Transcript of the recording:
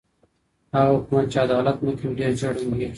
هغه حکومت چي عدالت نه کوي ډېر ژر ړنګيږي.